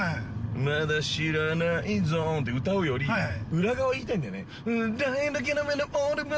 まだ知らないゾ−ンって歌うより裏側、言いたいんだよね。